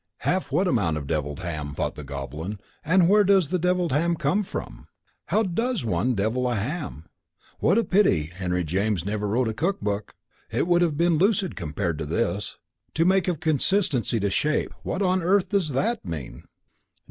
("Half what amount of devilled ham?" thought the Goblin. "And where does the devilled ham come from? How does one devil a ham? What a pity Henry James never wrote a cook book! It would have been lucid compared to this. To make of consistency to shape what on earth does that mean?")